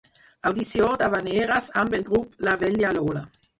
Audició d'havaneres amb el grup la Vella Lola